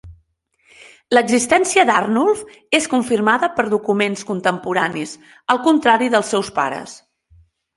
L'existència d'Arnulf és confirmada per documents contemporanis, al contrari dels seus pares.